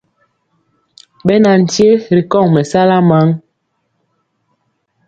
Ɓɛ na nkye ri kɔŋ mɛsala maŋ.